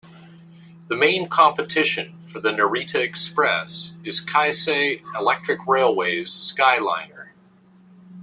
The main competition for the "Narita Express" is Keisei Electric Railway's "Skyliner".